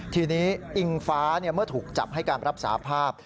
ทีนี้อิงฟ้าเมื่อถูกจับให้การรับสาภาพ